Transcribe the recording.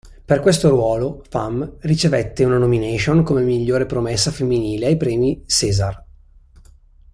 Per questo ruolo Pham ricevette una nomination come migliore promessa femminile ai Premi César.